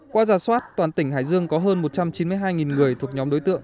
qua giả soát toàn tỉnh hải dương có hơn một trăm chín mươi hai người thuộc nhóm đối tượng